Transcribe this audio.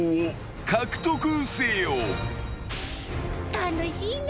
楽しいね。